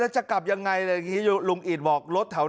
จะกลับยังไงเลยที่รุงอีกบอกรถเถา